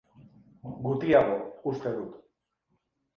Gutiago, uste dut.